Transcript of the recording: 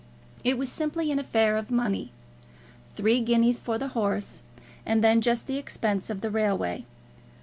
It was simply an affair of money. Three guineas for the horse, and then just the expense of the railway.